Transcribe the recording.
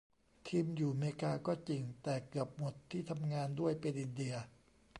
ทีมอยู่เมกาก็จริง แต่เกือบหมดที่ทำงานด้วยเป็นอินเดีย